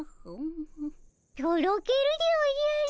とろけるでおじゃる。